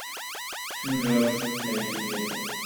two dogs play together.